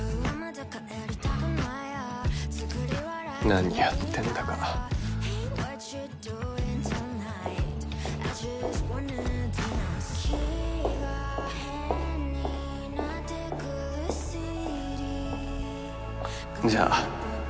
何やってんだかじゃあ